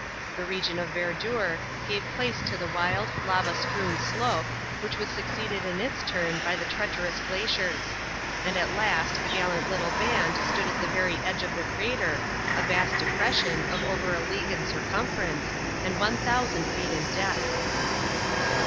The region of verdure gave place to the wild, lava strewn slope, which was succeeded in its turn by the treacherous glaciers; and at last the gallant little band stood at the very edge of the crater, a vast depression of over a league in circumference, and 1,000 feet in depth.